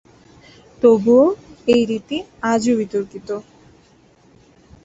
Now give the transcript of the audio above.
তবুও, এই রীতিটি আজও বিতর্কিত।